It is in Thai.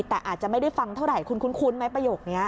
แต่อาจจะไม่ได้ฟังเท่าไหร่คุณคุ้นไหมประโยคนี้